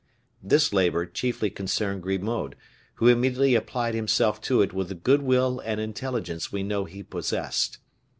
This labor chiefly concerned Grimaud, who immediately applied himself to it with the good will and intelligence we know he possessed.